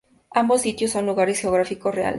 Ambos sitios son lugares geográficos reales.